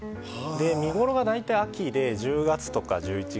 見ごろは大体秋で１０月とか１１月